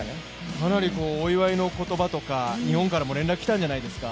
かなりお祝いの言葉とか、日本から来たんじゃないですか？